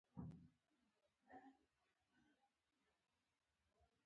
ما وویل چې ولاړ شم ښه به وي چې ونه ځم.